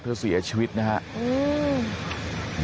เธอเสียชีวิตนะฮะ